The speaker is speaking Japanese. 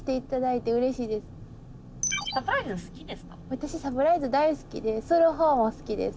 私サプライズ大好きでする方も好きです